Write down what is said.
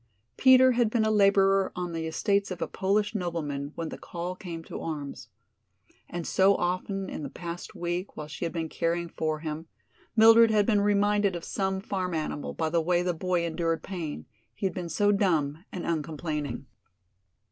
Peter had been a laborer on the estates of a Polish nobleman when the call came to arms. And so often in the past week while she had been caring for him Mildred had been reminded of some farm animal by the way the boy endured pain, he had been so dumb and uncomplaining.